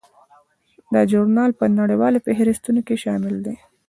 دا ژورنال په نړیوالو فهرستونو کې شامل دی.